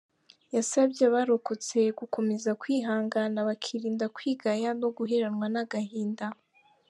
Yasabye abarokotse gukomeza kwihangana bakirinda kwigaya no guheranywa n’agahinda.